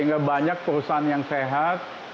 sehingga banyak perusahaan yang sehat